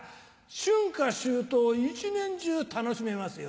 春夏秋冬一年中楽しめますよ。